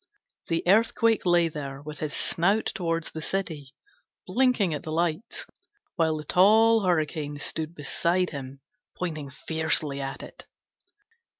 The Earthquake lay there, with his snout towards the city, blinking at the lights, while the tall Hurricane stood beside him pointing fiercely at it.